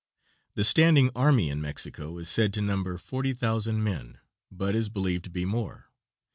The standing army in Mexico is said to number forty thousand men, but is believed to be more.